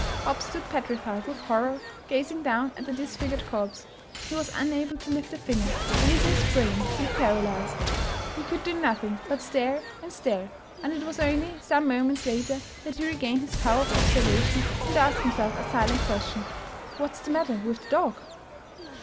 Hopp stood petrified with horror, gazing down at the disfigured corpse. He was unable to lift a finger, and even his brain seemed paralyzed; he could do nothing but stare and stare, and it was only some moments later that he regained his power of observation and asked himself a silent question — " What's the matter with the dog?